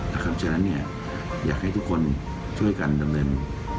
เพราะฉะนั้นอยากให้ทุกคนช่วยกันดำเนิน